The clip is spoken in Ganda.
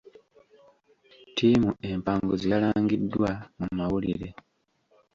Ttiimu empanguzi yalangiddwa mu mawulire.